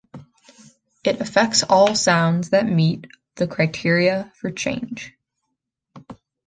It affects all sounds that meet the criteria for change.